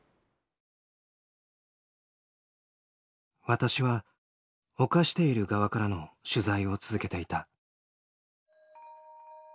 私は侵している側からの取材を続けていた。